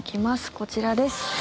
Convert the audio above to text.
こちらです。